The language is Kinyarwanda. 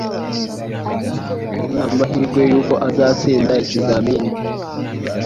Hari amahirwe yuko azatsinda ikizamini.